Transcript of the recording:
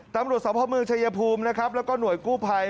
ตำรวจสภาพเมืองชายภูมินะครับแล้วก็หน่วยกู้ภัย